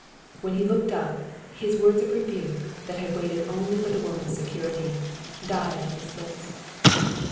When he looked up, his words of rebuke, that had waited only for the woman's security, died on his lips.